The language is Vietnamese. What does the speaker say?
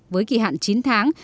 với kỳ hạn chín tháng